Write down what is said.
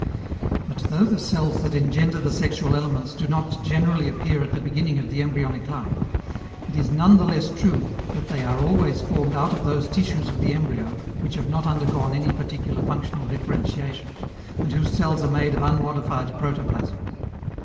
But, though the cells that engender the sexual elements do not generally appear at the beginning of the embryonic life, it is none the less true that they are always formed out of those tissues of the embryo which have not undergone any particular functional differentiation, and whose cells are made of unmodified protoplasm.